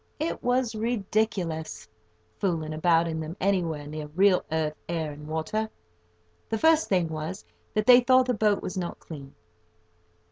It was ridiculous, fooling about in them anywhere near real earth, air, and water. The first thing was that they thought the boat was not clean.